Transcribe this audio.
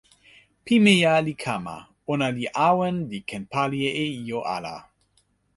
pimeja li kama. ona li awen li ken pali e ijo ala.